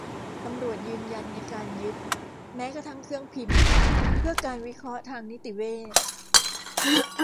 ตำรวจยืนยันในการยึดแม้กระทั่งเครื่องพิมพ์เพื่อการวิเคราะห์ทางนิติเวช